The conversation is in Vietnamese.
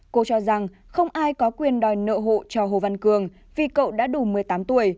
cô cho rằng không ai có quyền đòi nợ hộ cho hồ văn cường vì cậu đã đủ một mươi tám tuổi